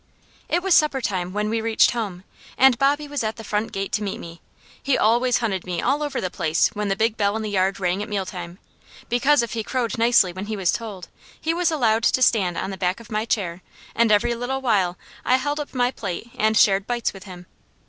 It was supper time when we reached home, and Bobby was at the front gate to meet me. He always hunted me all over the place when the big bell in the yard rang at meal time, because if he crowed nicely when he was told, he was allowed to stand on the back of my chair and every little while I held up my plate and shared bites with him.